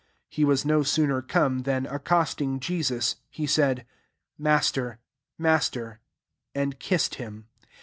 '' 45 He was no sooner come, than accosdng JtsuM^ he said " Master, [Master,]" and kissed him.